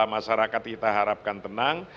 masyarakat kita harapkan tenang